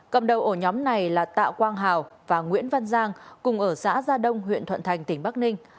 cầm đầu ổ nhóm này là tạ quang hào và nguyễn văn giang cùng ở xã gia đông huyện thuận thành tỉnh bắc ninh